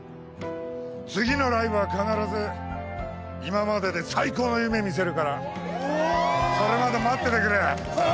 次のライブは必ず今までで最高の夢見せるからそれまで待っててくれ！